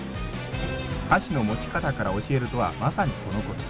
箸の持ち方から教えるとは、まさにこのこと。